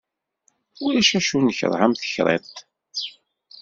Ulac acu nekreh am tekriṭ.